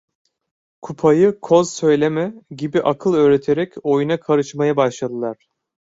"Kupayı koz söyleme!" gibi akıl öğreterek oyuna karışmaya başladılar.